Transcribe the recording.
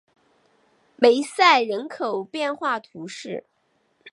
梅塞人口变化图示